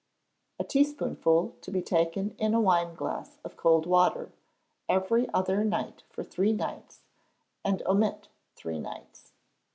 A teaspoonful to be taken in a wineglassful of cold water, every other night for three nights, and omit three nights.